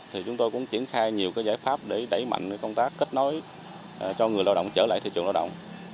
thì chúng tôi cũng triển khai nhiều giải pháp để đẩy mạnh công tác kết nối cho người lao động trở lại thị trường lao động